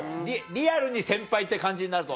リアルに先輩って感じになると？